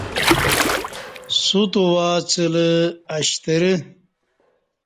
سوت او ا څلہ اشترہ